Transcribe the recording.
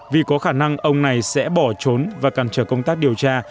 vì có khả năng ông này sẽ bỏ trốn và cản trở công tác điều tra